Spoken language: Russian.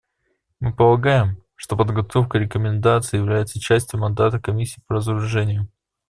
Мы полагаем, что подготовка рекомендаций является частью мандата Комиссии по разоружению.